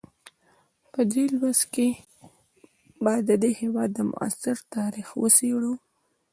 په دې لوست کې به د دې هېواد معاصر تاریخ وڅېړو.